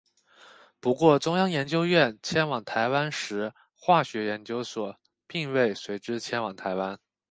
不过中央研究院迁往台湾时化学研究所并未随之迁往台湾。